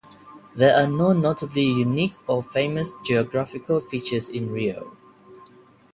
There are no notably unique or famous geographical features in Rio.